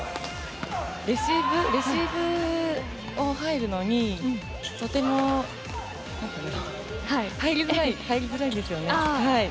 レシーブに入るのにとても入りづらいんですよね。